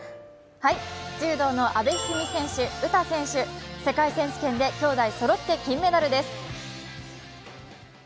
柔道の阿部一二三選手、詩選手、世界選手権できょうだいそろって金メダルです。